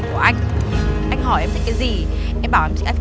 cô gái nói với cậu